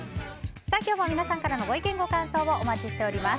今日も、皆さんからのご意見ご感想をお待ちしています。